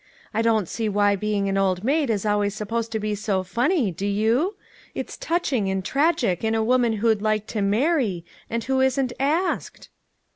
I don't see why being an old maid is always supposed to be so funny, do you? It's touching and tragic in a woman who'd like to marry and who isn't asked!"